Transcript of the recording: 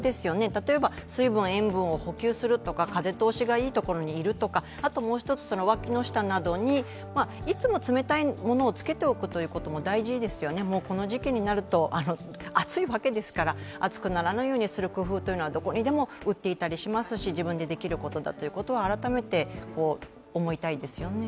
例えば水分・塩分を補給するとか風通しがいいところにいるとか、あともう一つ、脇の下などにいつも冷たいものをつけておくということも大事ですよね、この時期になると暑いわけですから、暑くならないようにする工夫というのはどこにでも売っていたりしますし、自分でできることだと改めて思いたいですよね。